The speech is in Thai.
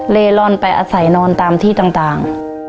เลลอนไปอาศัยนอนตามที่ต่าง